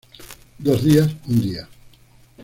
Dos días, un día.